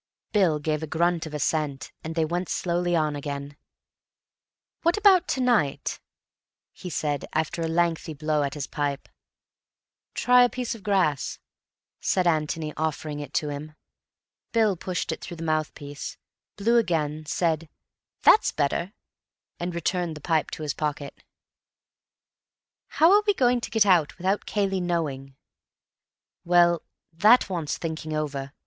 Bill gave a grunt of assent, and they went slowly on again. "What about to night?" he said, after a lengthy blow at his pipe. "Try a piece of grass," said Antony, offering it to him. Bill pushed it through the mouthpiece, blew again, said, "That's better," and returned the pipe to his pocket. "How are we going to get out without Cayley knowing?" "Well, that wants thinking over.